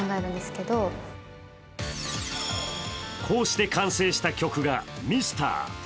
こうして完成した曲が「ミスター」。